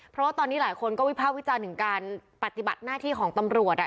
เพราะว่าตอนนี้หลายคนก็วิภาควิจารณ์ถึงการปฏิบัติหน้าที่ของตำรวจ